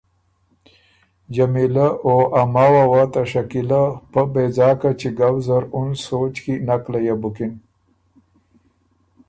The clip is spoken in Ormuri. جمیلۀ او ا ماوه وه ته شکیلۀ پۀ بېځاکه چِکؤ زر اُن سوچ کی نک لیۀ بُکِن